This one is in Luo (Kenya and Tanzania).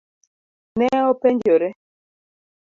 Ne openjore.